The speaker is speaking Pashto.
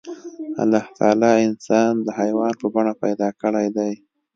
الله تعالی انسان د حيوان په بڼه پيدا کړی دی.